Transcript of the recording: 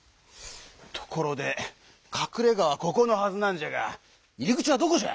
ところでかくれがはここのはずなんじゃが入り口はどこじゃ？